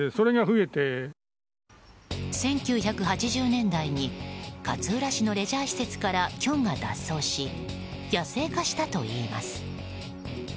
１９８０年代に勝浦市のレジャー施設からキョンが脱走し野生化したといいます。